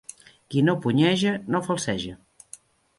Qui no punyeja, no falceja.